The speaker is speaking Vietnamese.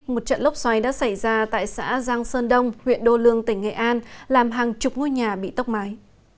một trận lốc xoáy đã xảy ra tại xã giang sơn đông huyện đô lương tỉnh nghệ an làm hàng chục ngôi nhà bị tốc mái